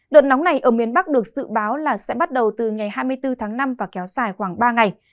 đợt nóng này ở miền bắc được dự báo là sẽ bắt đầu từ ngày hai mươi bốn tháng năm và kéo dài khoảng ba ngày